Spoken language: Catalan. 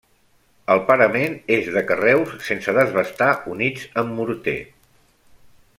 El parament és de carreus sense desbastar units amb morter.